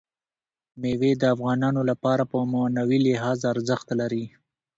مېوې د افغانانو لپاره په معنوي لحاظ ارزښت لري.